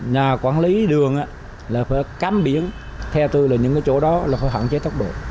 nhà quản lý đường là phải cắm biển theo tôi là những cái chỗ đó là phải hạn chế tốc độ